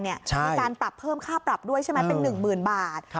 มีการปรับเพิ่มค่าปรับด้วยใช่ไหมเป็น๑๐๐๐บาท